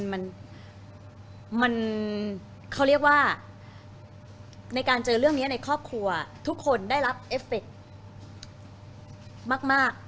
มันเขาเรียกว่าในการเจอเรื่องนี้ในครอบครัวทุกคนได้รับเอฟเฟคมาก